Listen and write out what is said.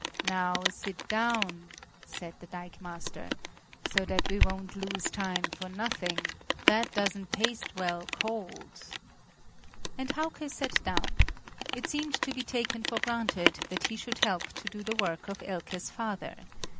"Now sit down," said the dikemaster, "so that we won't lose time for nothing; that doesn't taste well cold." And Hauke sat down; it seemed to be taken for granted that he should help to do the work of Elke's father.